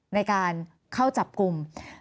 ในการเข้าจับกลุ่ม